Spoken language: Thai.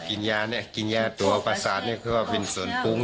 กินยาประสาทเป็นปรุง